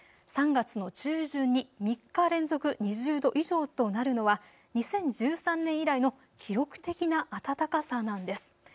３月の中旬に３日連続２０度以上となるのは２０１３年以来の記録的な暖かさなんです。